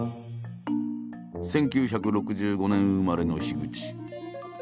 １９６５年生まれの口。